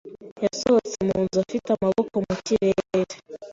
yasohotse mu nzu afite amaboko mu kirere.